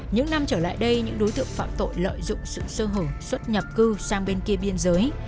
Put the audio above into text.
những năm trở lại đây những đối tượng phạm tội lợi dụng sự sơ hở xuất nhập cư sang bên kia biên giới